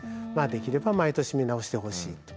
できれば毎年見直してほしいと。